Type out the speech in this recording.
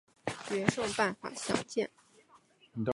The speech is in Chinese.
决胜办法详见。